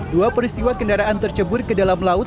dua peristiwa kendaraan tercebur ke dalam laut